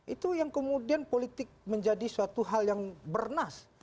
itu yang kemudian politik menjadi suatu hal yang bernas